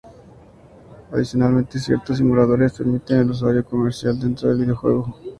Adicionalmente, ciertos simuladores permiten al usuario comerciar dentro del videojuego.